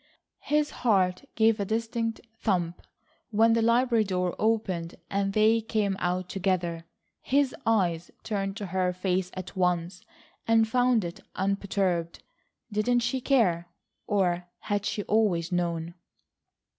His heart gave a distinct thump when the library door opened and they came out together. His eyes turned to her face at once, and found it unperturbed. Didn't she care, or had she always known?